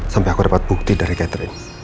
sampai aku dapat bukti dari catherine